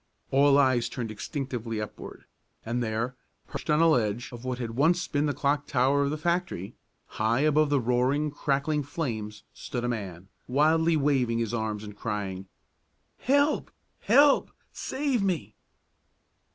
All eyes turned instinctively upward, and there, perched on the ledge of what had once been the clock tower of the factory, high above the roaring, crackling flames, stood a man, wildly waving his arms and crying: "Help! Help! Save me!"